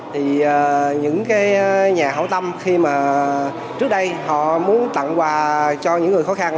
thì những cái nhà hậu tâm khi mà trước đây họ muốn tặng quà cho những người khó khăn